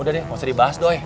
udah deh gak usah dibahas doi